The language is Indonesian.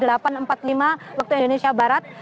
saat empat lima waktu indonesia barat